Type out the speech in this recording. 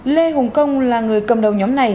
lê hùng công là người cầm đầu nhóm này